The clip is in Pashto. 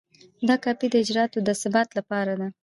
دا کاپي د اجرااتو د اثبات لپاره ده.